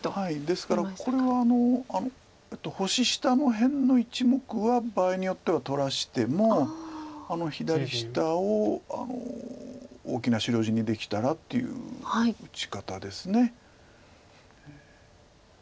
ですからこれは星下の辺の１目は場合によっては取らしてもあの左下を大きな白地にできたらっていう打ち方です。